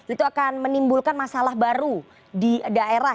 itu akan menimbulkan masalah baru di daerah